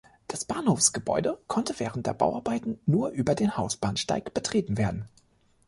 Das Bahnhofsgebäude konnte während der Bauarbeiten nur über den Hausbahnsteig betreten werden.